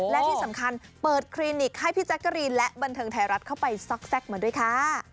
และที่สำคัญเปิดคลินิกให้พี่แจ๊กกะรีนและบันเทิงไทยรัฐเข้าไปซักมาด้วยค่ะ